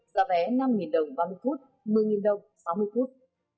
giá vé năm đồng ba mươi phút một mươi đồng sáu mươi phút